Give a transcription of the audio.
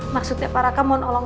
maksudnya para akak mohon allah